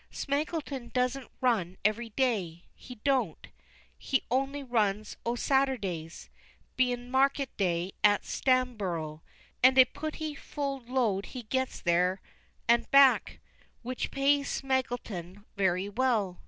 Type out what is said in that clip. Smaggleton don't run every day, he don't; he only runs o' Saturdays, bein' market day at Stamborough, and a pooty full load he gets there and back, which pays Smaggleton very well.